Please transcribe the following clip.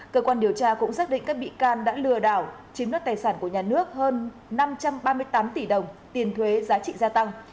cơ quan điều tra cũng xác định các bị can đã lừa đảo chiếm đất tài sản của nhà nước hơn năm trăm ba mươi tám tỷ đồng tiền thuế giá trị gia tăng